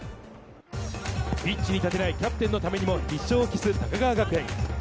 ピッチに立てないキャプテンのためにも必勝を期す高川学園。